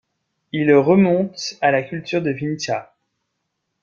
Il remonte à la culture de Vinča.